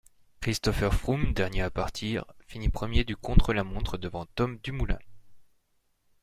Christopher Froome dernier à partir, finit premier du contre-la-montre devant Tom Dumoulin.